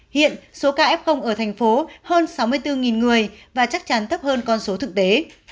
hiện số ca f ở thành phố hơn sáu mươi bốn người và chắc chắn thấp hơn con số thực tế